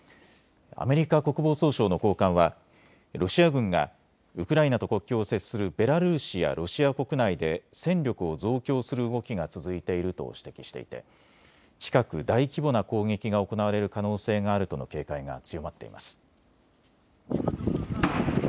アメリカ国防総省の高官はロシア軍がウクライナと国境を接するベラルーシやロシア国内で戦力を増強する動きが続いていると指摘していて近く大規模な攻撃が行われる可能性があるとの警戒が強まっています。